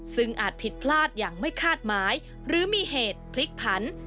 ซึ่งอาจผิดพลาดอย่างไม่คาดหมายหรือมีเหตุพลิกผัน